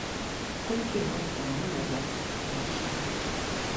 Колькі год таму назад сустрэча.